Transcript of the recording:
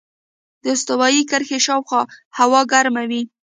د استوایي کرښې شاوخوا هوا ګرمه وي.